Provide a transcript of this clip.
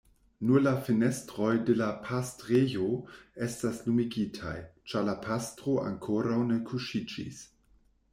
Nur la fenestroj de la pastrejo estas lumigitaj, ĉar la pastro ankoraŭ ne kuŝiĝis.